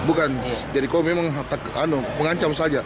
bukan jadi kau memang mengancam saja